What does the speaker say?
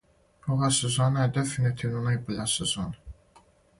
Ова сезона је дефинитивно најбоља сезона.